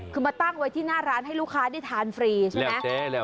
คือมาตั้งไว้ที่หน้าร้านให้ลูกค้าได้ทานฟรีใช่ไหม